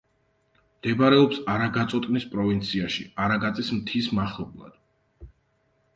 მდებარეობს არაგაწოტნის პროვინციაში, არაგაწის მთის მახლობლად.